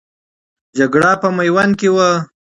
جګړه په میوند کې وه.